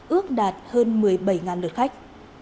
ước đạt hơn một mươi bảy lượt khách